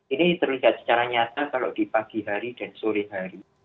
ini terlihat secara nyata kalau di pagi hari dan sore hari